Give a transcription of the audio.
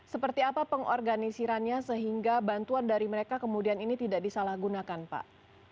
seperti apa pengorganisirannya sehingga bantuan dari mereka kemudian ini tidak disalahgunakan pak